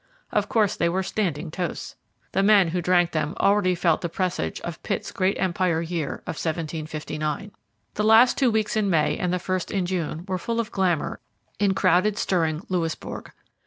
Of course they were standing toasts. The men who drank them already felt the presage of Pitt's great Empire Year of 1759. The last two weeks in May and the first in June were full of glamour in crowded, stirring Louisbourg.